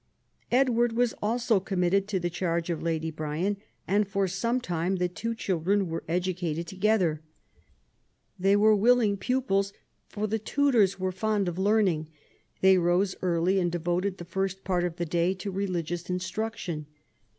Edward was also committed to the charge of Lady Bryan, and for some time the two children were educated together. They were willing pupils, for the Tudors were fond of learning. They rose early and devoted the first part of the day to religious instruction.